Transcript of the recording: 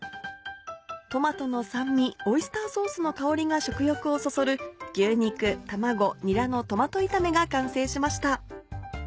トマトの酸味オイスターソースの香りが食欲をそそる「牛肉卵にらのトマト炒め」が完成しました。